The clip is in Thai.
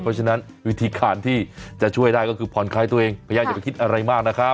เพราะฉะนั้นวิธีการที่จะช่วยได้ก็คือผ่อนคลายตัวเองพยายามอย่าไปคิดอะไรมากนะครับ